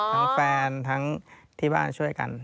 แฟนทั้งที่บ้านช่วยกัน